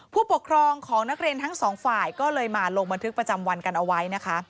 ผู้ปกครองของนักเรียนทั้งสองฝ่ายก็เลยมาลงบันทึกประจำวันกันเอาไว้นะคะ